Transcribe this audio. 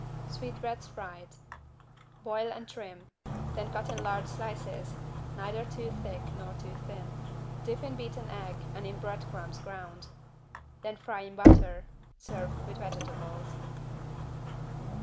=Sweetbreads fried.= Boil and trim. Then cut in large slices, neither too thick nor too thin. Dip in beaten egg and in bread crumbs ground. Then fry in butter. Serve with vegetables.